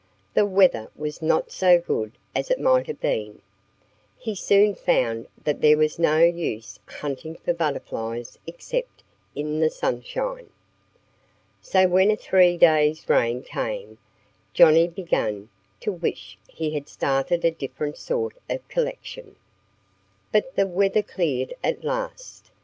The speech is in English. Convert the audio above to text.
The weather was not so good as it might have been. He soon found that there was no use hunting for butterflies except in the sunshine. So when a three days' rain came, Johnnie began to wish he had started a different sort of collection. But the weather cleared at last.